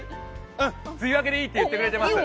うん、梅雨明けでいいって言ってます。